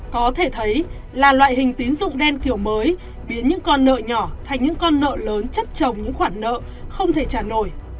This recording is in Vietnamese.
có thể thấy là loại hình tín dụng đen kiểu mới biến những con nợ nhỏ thành những con nợ lớn chất trồng những khoản nợ không thể trả nổi